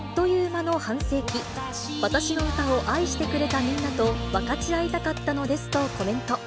私の歌を愛してくれたみんなと、分かち合いたかったのですとコメント。